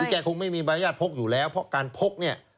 คือแกคงไม่มีบรรยาทพกอยู่แล้วเพราะการพกเนี่ย